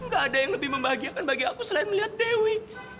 gak ada yang lebih membahagiakan bagi aku selain melihat dewi